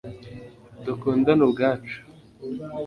dukundane ubwacu